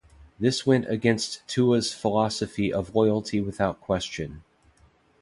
This went against Tuah's philosophy of loyalty without question.